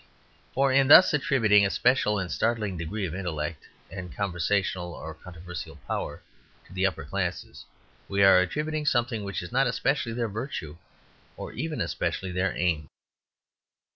For in thus attributing a special and startling degree of intellect and conversational or controversial power to the upper classes, we are attributing something which is not especially their virtue or even especially their aim.